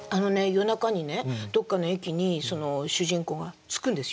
夜中にねどっかの駅に主人公が着くんですよね。